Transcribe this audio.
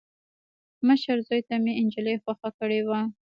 مشر زوي ته مې انجلۍ خوښه کړې وه.